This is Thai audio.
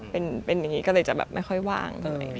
เป็นอย่างนี้ก็เลยจะแบบไม่ค่อยว่างเลย